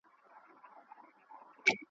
هر چا وژلي په خپل نوبت یو `